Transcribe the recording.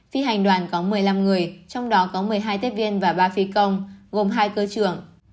phi hành đoàn có một mươi năm người trong đó có một mươi hai tiếp viên và ba phi công gồm hai cơ trưởng